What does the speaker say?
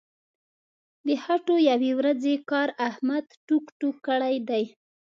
د خټو یوې ورځې کار احمد ټوک ټوک کړی دی.